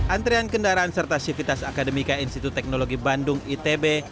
antrian kendaraan serta sivitas akademika institut teknologi bandung itb